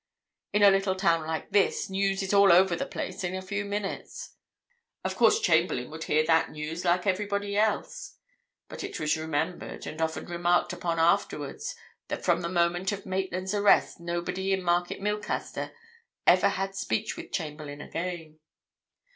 In a little town like this, news is all over the place in a few minutes. Of course, Chamberlayne would hear that news like everybody else. But it was remembered, and often remarked upon afterwards, that from the moment of Maitland's arrest nobody in Market Milcaster ever had speech with Chamberlayne again.